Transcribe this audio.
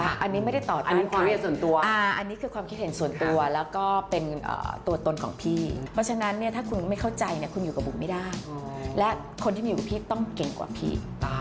อันนี้ไม่ได้ตอบอันนี้ความคิดส่วนตัวอันนี้คือความคิดเห็นส่วนตัวแล้วก็เป็นตัวตนของพี่เพราะฉะนั้นเนี่ยถ้าคุณไม่เข้าใจเนี่ยคุณอยู่กับบุ๋มไม่ได้และคนที่มีอยู่กับพี่ต้องเก่งกว่าพี่